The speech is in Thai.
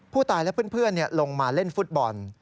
ผู้ตายและเพื่อนลงมาเล่นฟุตบอล